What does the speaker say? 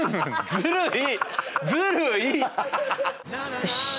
ずるい！